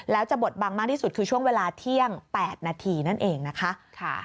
แล้วจะบดบังมากที่สุดคือช่วงเวลาเที่ยง๘นาทีนั่นเองนะคะ